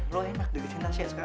lu enak juga cintasnya sekarang